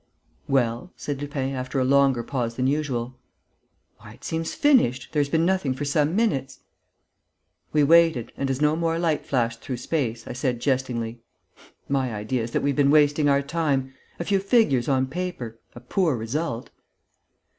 "Well?" said Lupin, after a longer pause than usual. "Why, it seems finished.... There has been nothing for some minutes...." We waited and, as no more light flashed through space, I said, jestingly: "My idea is that we have been wasting our time. A few figures on paper: a poor result!"